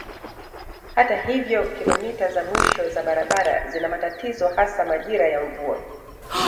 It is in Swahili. Hata hivyo kilomita za mwisho za barabara zina matatizo hasa majira ya mvua.